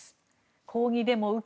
抗議デモ受け